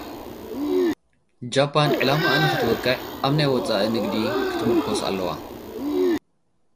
ጃፓን፡ ዕላማኣ ንኽትወቅዕ ኣብ ናይ ወጻኢ ንግዲ ክትሙርኮስ ኣለዋ።